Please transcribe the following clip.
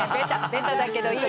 ベタだけどいい。